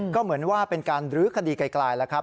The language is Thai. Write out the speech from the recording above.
ก็เหมือนว่าเป็นการรื้อคดีไกลแล้วครับ